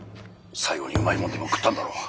最後にうまいもんでも食ったんだろう。